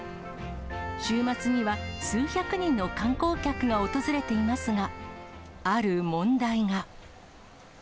週末には、数百人の観光客が訪れていますが、ある問題が。